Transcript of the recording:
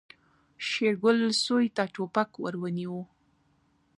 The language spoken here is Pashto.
شېرګل سوی ته ټوپک ور ونيو.